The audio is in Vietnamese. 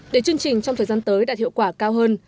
để chương trình trong thời gian tới đạt hiệu quả cao hơn